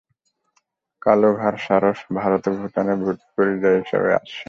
কালোঘাড় সারস ভারত ও ভুটানে পরিযায়ী হিসেবে আসে।